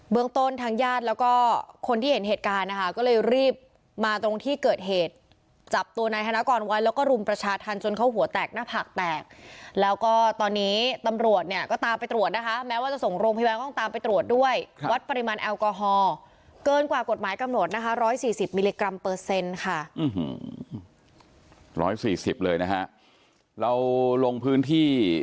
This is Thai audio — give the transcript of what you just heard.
เมืองต้นทางญาติแล้วก็คนที่เห็นเหตุการณ์นะคะก็เลยรีบมาตรงที่เกิดเหตุจับตัวนายธนกรไว้แล้วก็รุมประชาธรรมจนเขาหัวแตกหน้าผากแตกแล้วก็ตอนนี้ตำรวจเนี่ยก็ตามไปตรวจนะคะแม้ว่าจะส่งโรงพยาบาลก็ต้องตามไปตรวจด้วยวัดปริมาณแอลกอฮอลเกินกว่ากฎหมายกำหนดนะคะ๑๔๐มิลลิกรัมเปอร์เซ็นต์ค่ะ๑๔๐เลยนะฮะเราลงพื้นที่